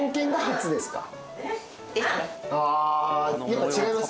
やっぱ違います？